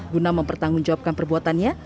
guna mempertanggungjawabkan perbuatannya